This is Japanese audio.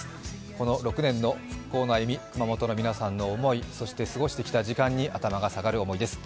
この６年の復興に熊本の皆さんの思い、そして、過ごしてきた時間に頭が下がる思いです。